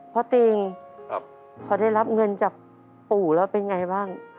พ่อตริงพ่อได้รับเงินจากปู่แล้วเป็นอย่างไรบ้างครับ